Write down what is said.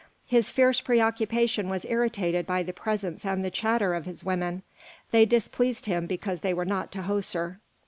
His fierce preoccupation was irritated by the presence and the chatter of his women; they displeased him because they were not Tahoser.